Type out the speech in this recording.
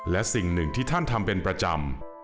และสิ่งหนึ่งที่ท่านทำเป็นประจำ